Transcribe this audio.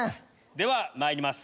ではまいります。